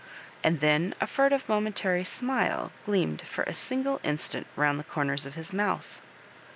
And then a furtive momentary smile gleamed for a single instant round the corners of his mouth.